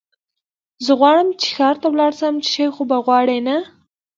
زه غواړم چې ښار ته ولاړ شم، څه شی خو به غواړې نه؟